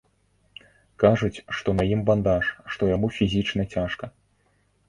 Кажуць, што на ім бандаж, што яму фізічна цяжка.